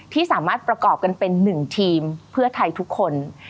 ที่สามารถประกอบกันเป็น๑ทีมเพื่อไทยทุกคน